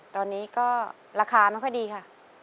ตอนนี้ก็ราคาไม่ค่อยดีค่ะ